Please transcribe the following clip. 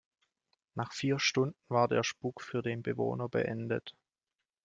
Nach vier Stunden war der Spuck für den Bewohner beendet.